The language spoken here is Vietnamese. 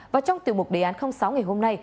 và trong tiểu mục đề án sáu ngày hôm nay